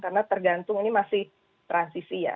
karena tergantung ini masih transisi ya